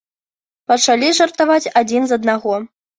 Пачалі жартаваць адзін з аднаго.